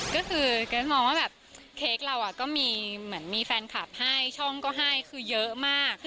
ก็คือเกรดมองว่าเค้กเราก็มีแฟนคลับให้ช่องก็ให้เยอะมาก